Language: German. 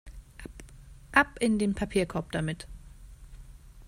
Ab in den Papierkorb damit!